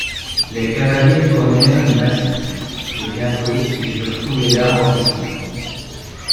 Les cavaliers tournèrent le massif, et bientôt ils eurent trouvé l’arbre en question.